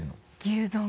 牛丼。